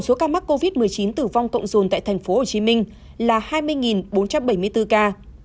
số ca mắc covid một mươi chín tử vong cộng dồn tại tp hcm là hai mươi bốn trăm bảy mươi bốn ca